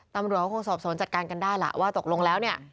ตำรวจกลงแล้วเนี่ย